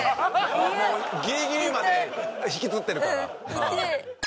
もうギリギリまで引きつってるから。